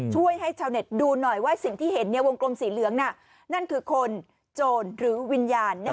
ช่วยให้ชาวเน็ตดูหน่อยว่าสิ่งที่เห็นวงกลมสีเหลืองนั่นคือคนโจรหรือวิญญาณ